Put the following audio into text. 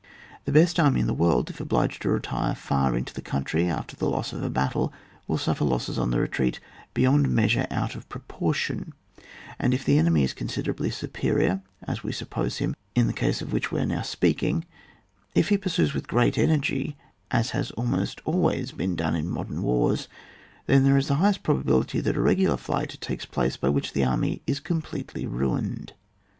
The best army in the world if obliged to retire far into the country after the loss of a battle, will suffer losses on the retreat, beyond mea sure out of proportion ; and if the enemy is considerably superior, as we suppose him, in the cfise of which we are now speaking, if he pursues with great energy as has almost always been done in modem wars, then there is the highest probability that a regular flight takes place by which the army is usually com pletely ruined.